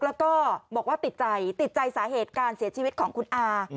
แล้วก็บอกว่าติดใจติดใจสาเหตุการเสียชีวิตของคุณอา